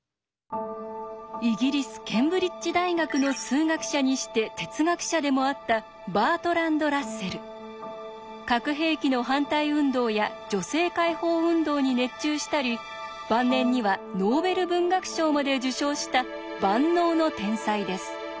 イギリスケンブリッジ大学の数学者にして哲学者でもあった核兵器の反対運動や女性解放運動に熱中したり晩年にはノーベル文学賞まで受賞した万能の天才です。